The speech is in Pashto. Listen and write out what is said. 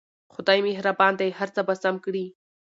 خدای مهربان دی هر څه به سم کړي